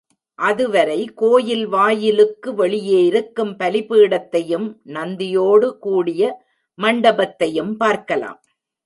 அதுவரை கோயில் வாயிலுக்கு வெளியே இருக்கும் பலிபீடத்தையும் நந்தியோடு கூடிய மண்டபத்தையும் பார்க்கலாம்.